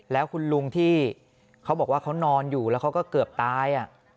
แล้วคุณลุงที่เขาบอกว่าเขานอนอยู่แล้วเขาก็เกือบตาย